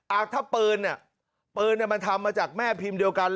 อ่ะถ้าปืนเนี่ยปืนมันทำมาจากแม่พิมพ์เดียวกัน